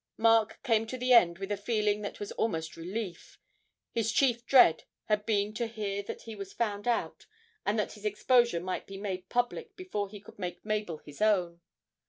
Mark came to the end with a feeling that was almost relief; his chief dread had been to hear that he was found out, and that his exposure might be made public before he could make Mabel his own.